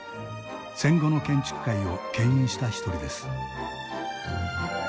戦後の建築界をけん引した一人です。